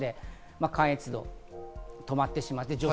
関越道が止まってしまって。